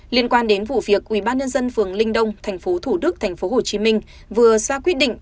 liên quan đến vụ việc ubnd phường linh đông tp thủ đức tp hcm vừa ra quyết định